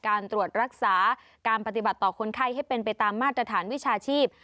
การตรวจรักษาการปฏิบัติต่อคนไข้ให้เป็นไปตามมาตรฐานวิชาชีพ